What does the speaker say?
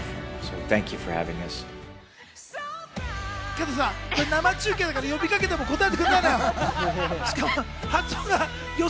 加藤さん、生中継だから呼びかけても答えてくれないのよ。